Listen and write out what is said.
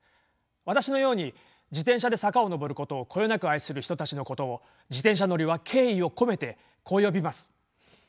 私のように自転車で坂を上ることをこよなく愛する人たちのことを自転車乗りは敬意を込めてこう呼びます。